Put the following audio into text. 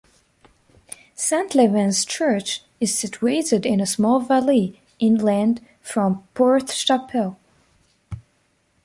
Saint Levan's Church is situated in a small valley, inland from Porthchapel.